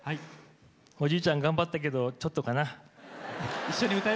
おじいちゃん頑張ったけど「Ｚ」言っときます？